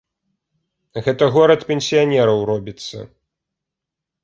Гэта горад пенсіянераў робіцца.